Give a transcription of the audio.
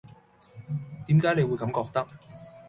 點解你會咁覺得